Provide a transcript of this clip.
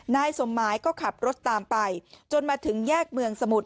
นายสมหมายก็ขับรถตามไปจนมาถึงแยกเมืองสมุทร